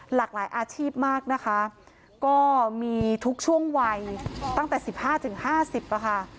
หลากหลายอาชีพมากนะคะก็มีทุกช่วงวัยตั้งแต่สิบห้าถึงห้าสิบอ่ะค่ะ